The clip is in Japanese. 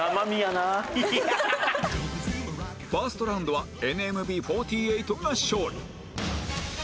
ファーストラウンドは ＮＭＢ４８ が勝利